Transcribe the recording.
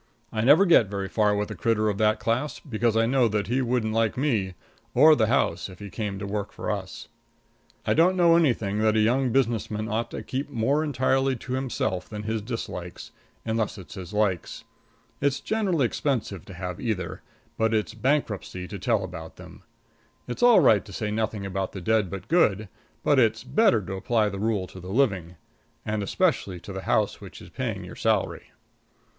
I never get very far with a critter of that class, because I know that he wouldn't like me or the house if he came to work for us. I don't know anything that a young business man ought to keep more entirely to himself than his dislikes, unless it is his likes. It's generally expensive to have either, but it's bankruptcy to tell about them. It's all right to say nothing about the dead but good, but it's better to apply the rule to the living, and especially to the house which is paying your salary.